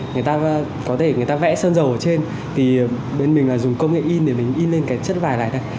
người ta có thể người ta vẽ sơn dầu ở trên thì bên mình là dùng công nghệ in để mình in lên cái chất vải này thôi